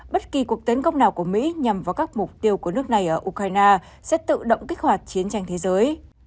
bất kỳ cuộc tấn công nào của mỹ nhằm vào các mục tiêu của nước này ở ukraine sẽ tự động kích hoạt chiến tranh thế giới